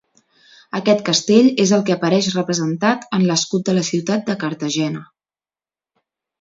Aquest castell és el que apareix representat en l'escut de la ciutat de Cartagena.